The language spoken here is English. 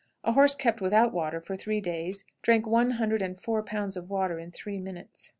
A horse kept without water for three days drank one hundred and four pounds of water in three minutes.